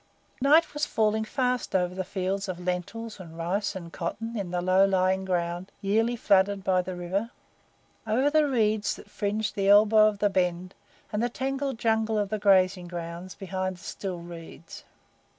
Night was falling fast over the fields of lentils and rice and cotton in the low lying ground yearly flooded by the river; over the reeds that fringed the elbow of the bend, and the tangled jungle of the grazing grounds behind the still reeds.